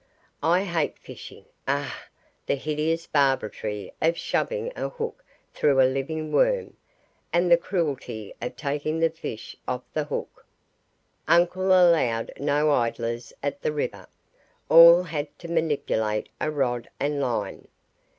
I hate fishing. Ugh! The hideous barbarity of shoving a hook through a living worm, and the cruelty of taking the fish off the hook! Uncle allowed no idlers at the river all had to manipulate a rod and line.